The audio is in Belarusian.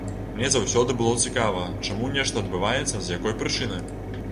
Мне заўсёды было цікава, чаму нешта адбываецца, з якой прычыны.